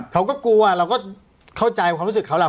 เขาก็กลัวเราก็เข้าใจความรู้สึกเขาแหละ